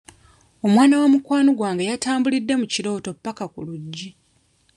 Omwana wa mukwano gwange yatambulidde mu kirooto ppaka ku luggi.